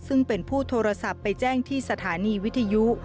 ซึ่งเป็นผู้โทรศัพท์ไปแจ้งที่สถานีวิทยุ